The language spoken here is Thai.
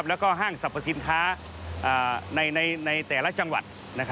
แล้วก็ห้างสรรพสินค้าในแต่ละจังหวัด